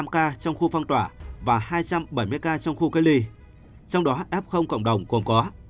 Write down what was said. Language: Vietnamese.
ba mươi năm ca trong khu phong tỏa và hai trăm bảy mươi ca trong khu cây ly trong đó f cộng đồng cũng có